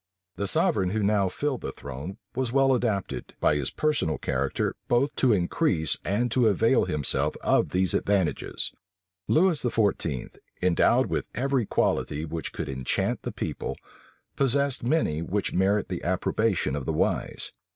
The sovereign who now filled the throne was well adapted, by his personal character, both to increase and to avail himself of these advantages. Lewis XIV., endowed with every quality which could enchant the people, possessed many which merit the approbation of the wise.